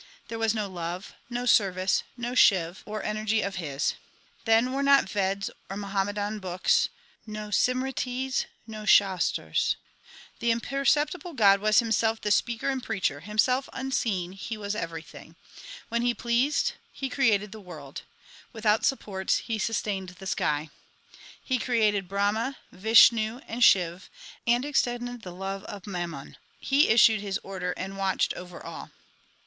There was no love, no service, no Shiv, or Energy of his ; Then were not Veds or Muhammadan books, no Simritis, no Shastars ; The Imperceptible God was Himself the speaker and preacher ; Himself unseen He was evei When He pleased He created the world ; Without supports He sustained the sky. He created Brahma, Vishnu, and Shiv, and extended the love of Mammon. He issued His order and watched over all.